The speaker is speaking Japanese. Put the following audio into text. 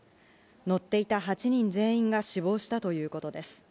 乗っていた８人全員が死亡したということです。